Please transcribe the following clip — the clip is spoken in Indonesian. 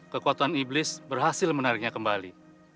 kekuatan iblis berhasil menariknya kembali